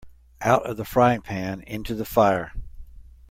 Out of the frying-pan into the fire.